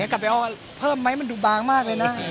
กลับไปเอาเพิ่มไหมมันดูบางมากเลยนะ